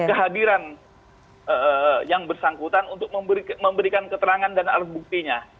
kehadiran yang bersangkutan untuk memberikan keterangan dan alat buktinya